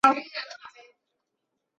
在伊犁的霍城也进入果园。